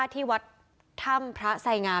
ที่วัดถ้ำพระไสงา